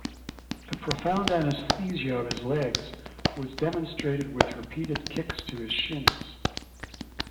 The profound anesthesia of his legs was demonstrated with repeated kicks to his shins.